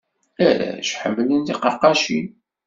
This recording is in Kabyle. Arrac ḥemmlen tiqaqqacin.